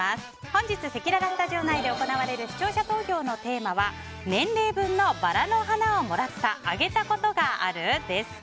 本日、せきららスタジオ内で行われる視聴者投票のテーマは年齢分のバラの花をもらった・あげたことがある？です。